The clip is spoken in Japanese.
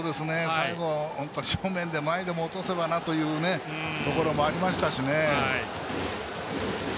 最後、本当に正面で前でも落とせばなというところもありましたし。